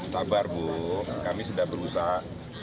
sabar bu kami sudah berusaha